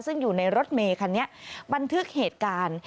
ซึ่งอยู่ในรถเมคันนี้บันทึกเหตุการณ์